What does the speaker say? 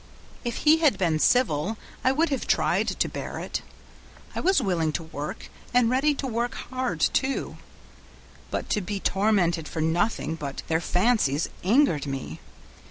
If he had been civil I would have tried to bear it. I was willing to work, and ready to work hard too; but to be tormented for nothing but their fancies angered me.